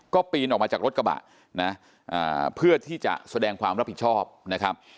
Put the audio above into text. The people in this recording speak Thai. ก็ปีนออกมาจากรถกระบะนะเพื่อที่จะแสดงความรับผิดชอบนะครับ